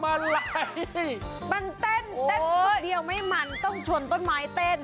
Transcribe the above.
มันเต้นเต้นตัวเดียวไม่มันมันเต้นต้นไม้เต้น